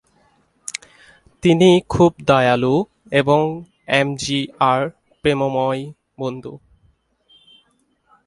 তিনি খুব দয়ালু এবং এমজিআর প্রেমময় বন্ধু।